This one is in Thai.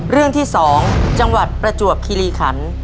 เรื่องที่๒จังหวัดประจวบคิริขัน